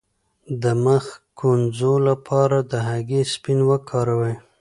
د مخ د ګونځو لپاره د هګۍ سپین وکاروئ